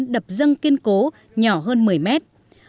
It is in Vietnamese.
một bốn trăm bốn mươi bốn đập dâng kiên cố nhỏ hơn một mươi mét